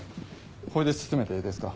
これで進めてええですか？